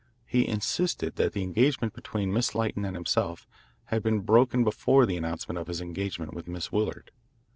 He insisted that the engagement between Miss Lytton and himself had been broken before the announcement of his engagement with Miss Willard.